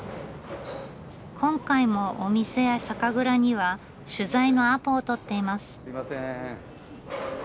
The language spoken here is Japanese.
今回もお店や酒蔵には取材のアポを取っています。